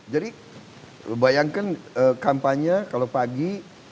jadi bayangkan kampanye kalau pagi